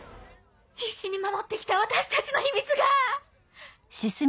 必死に守って来た私たちの秘密が！